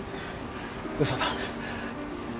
嘘だ